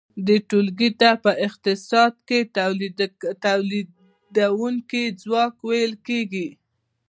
دې ټولګې ته په اقتصاد کې تولیدونکی ځواک ویل کیږي.